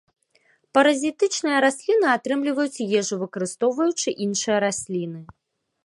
Паразітычныя расліны атрымліваюць ежу, выкарыстоўваючы іншыя расліны.